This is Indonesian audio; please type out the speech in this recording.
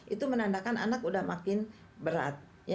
itu menandakan anak sudah makin berat